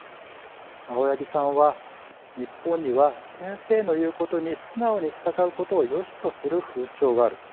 青柳さんは日本には先生の言うことに素直に従うことをよしとする風潮がある。